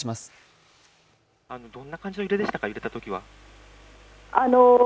どんな感じの揺れでしたか揺れたときは？